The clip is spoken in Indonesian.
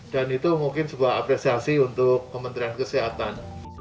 dan itu mungkin sebuah apresiasi untuk kementerian kesehatan